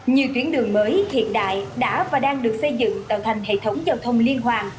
nhiều tuyến đường mới hiện đại đã và đang được xây dựng tạo thành hệ thống giao thông liên hoàn